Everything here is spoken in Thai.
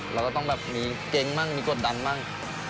เราก็ต้องมีเก๊งมีกดดังบ้าง